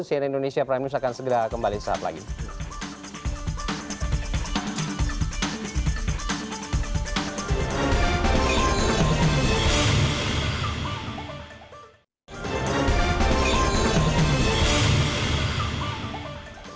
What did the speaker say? cnn indonesia prime news akan segera kembali setelah ini